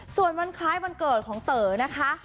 ส่วนวันคล้ายวันเกิดของเต๋อนะคะ